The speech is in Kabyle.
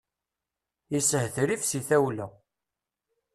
Yeshetrif si tawla.